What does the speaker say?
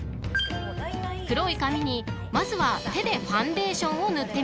［黒い紙にまずは手でファンデーションを塗ってみると］